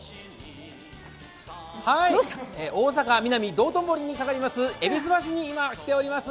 大阪・ミナミ、道頓堀にかかります戎橋に今、来ています。